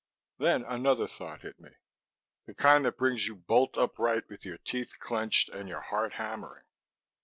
Then another thought hit me the kind that brings you bolt upright with your teeth clenched and your heart hammering.